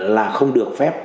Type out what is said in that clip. là không được phép